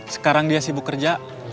sekarang dia sibuk kerja